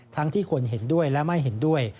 ที่คนเห็นด้วยและไม่เห็นด้วย